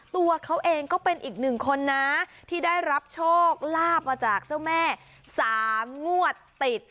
ตัวเขาเองก็เป็นอีกหนึ่งคนนะที่ได้รับโชคลาภมาจากเจ้าแม่๓งวดติด